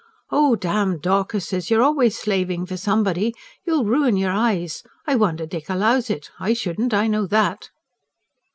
"Oh, damn Dorcases! You're always slaving for somebody. You'll ruin your eyes. I wonder Dick allows it. I shouldn't I know that."